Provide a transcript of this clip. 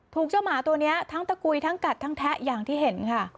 ถูกเจ้าหมาตัวนี้ทั้งตะกุยทั้งกัดทั้งแทะอย่างที่เห็นค่ะ